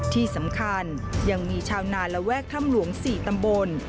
ที่สำคัญยังมีชาวนาระแวกถ้ำหลวง๔ตำบล